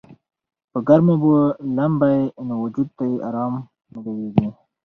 پۀ ګرمو اوبو لامبي نو وجود ته ئې ارام مېلاويږي